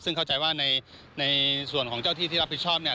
ซึ่งเข้าใจว่าในส่วนของเจ้าที่ที่รับผิดชอบเนี่ย